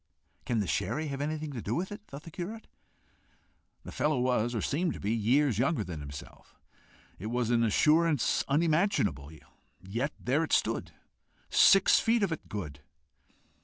"Can the sherry have anything to do with it?" thought the curate. The fellow was, or seemed to be, years younger than himself! It was an assurance unimaginable yet there it stood six feet of it good!